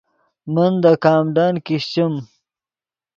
من دے کامڈن کیشچیم